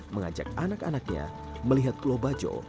mengajak anak anaknya melihat pulau bajo